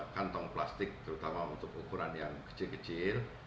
kantong plastik terutama untuk ukuran yang kecil kecil